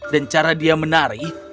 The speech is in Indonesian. dan cara dia menari